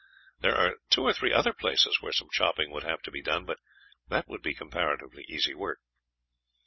There are two or three other places where some chopping would have to be done, but that would be comparatively easy work."